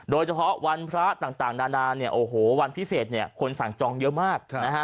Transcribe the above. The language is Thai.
โดยเฉพาะวันพระต่างนานวันพิเศษคนสั่งจองเยอะมาก